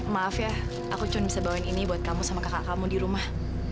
maaf ya aku cuma bisa bawain ini buat kamu sama kakak kamu di rumah